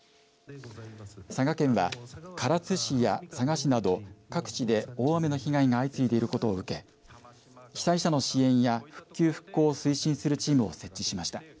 佐賀県は唐津市や佐賀市など各地で大雨の被害が相次いでいることを受け被災者の支援や復旧、復興を推進するチームを設置しました。